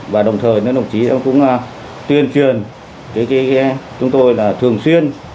và đồng thời đồng chí cũng tuyên truyền chúng tôi thường xuyên